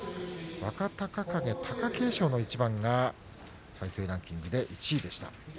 若隆景、貴景勝の一番が再生ランキング１位でした。